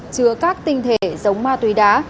chứa các tinh thể giống ma túy đá